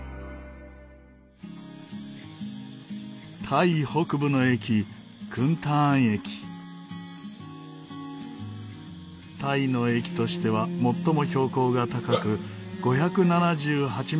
タイ北部の駅タイの駅としては最も標高が高く５７８メートルあります。